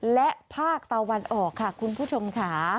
และภาคตะวันออกค่ะคุณผู้ชมค่ะ